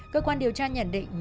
cơ quan điều tra nhận định